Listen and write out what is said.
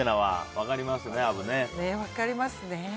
分かりますね。